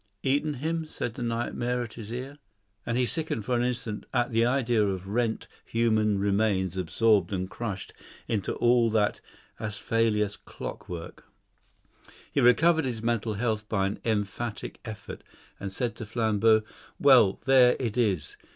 "Eaten him?" said the nightmare at his ear; and he sickened for an instant at the idea of rent, human remains absorbed and crushed into all that acephalous clockwork. He recovered his mental health by an emphatic effort, and said to Flambeau, "Well, there it is.